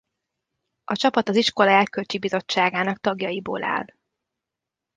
A csapat az iskola Erkölcsi Bizottságának tagjaiból áll.